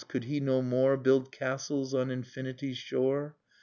could he no more Build castles on infinity's shore?